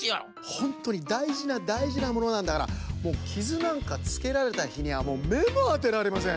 ほんとにだいじなだいじなものなんだからもうきずなんかつけられたひにはもうめもあてられません。